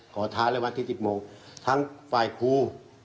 ขอท้าเลยวันอาทิตย์๑๐โมงทั้งฝ่ายครู